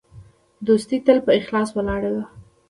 دوستي تل په اخلاص ولاړه وي.